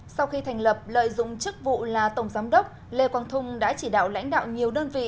sau khi thành lập lợi dụng chức vụ là tổng giám đốc lê quang thung đã chỉ đạo lãnh đạo nhiều đơn vị